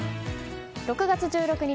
６月１６日